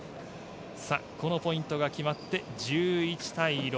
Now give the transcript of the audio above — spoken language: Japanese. このポイントが決まって１１対６。